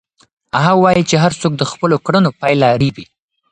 هغه وایي چې هر څوک د خپلو کړنو پایله رېبي.